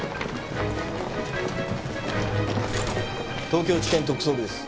東京地検特捜部です。